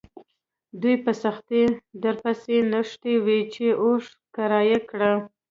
دوی په سختۍ درپسې نښتي وي چې اوښ کرایه کړه.